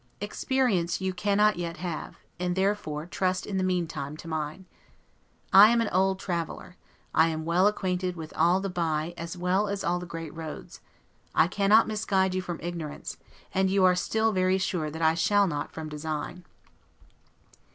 Experience you cannot yet have, and therefore trust in the meantime to mine. I am an old traveler; am well acquainted with all the bye as well as the great roads; I cannot misguide you from ignorance, and you are very sure I shall not from design.